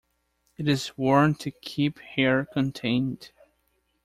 It is worn to keep hair contained.